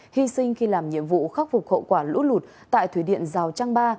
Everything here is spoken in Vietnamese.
hy sinh khi làm nhiệm vụ khắc phục hậu quả lũ lụt tại thủy điện giao trang ba